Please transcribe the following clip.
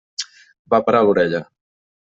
Va parar l'orella.